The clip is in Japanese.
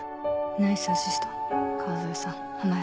ナイスアシスト川添さん浜谷さん。